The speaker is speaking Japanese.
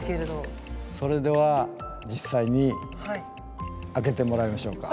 それでは実際に開けてもらいましょうか？